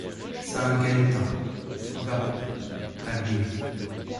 SAINT-GUELTAS, bas, à Louise.